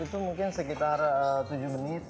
itu mungkin sekitar tujuh menit